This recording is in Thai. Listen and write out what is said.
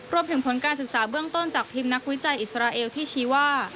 รวมถึงผลการศึกษาเบื้องต้นจากทีมนักวิจัยอิสราเอลที่ชี้ว่า